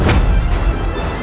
aku akan menang